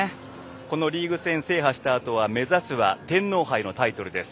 このリーグ戦制覇したあとは目指すは天皇杯のタイトルです。